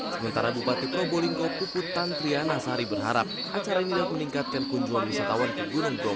sementara bupati probolingko kuputan triana sari berharap acara ini akan meningkatkan kunjungan wisatawan ke gunung jom